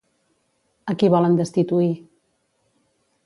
A qui volen destituir?